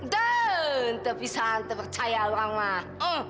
dan tak bisa tak percaya orang lah